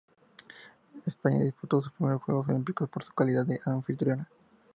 España disputó sus primeros Juegos Olímpicos por su calidad de anfitriona.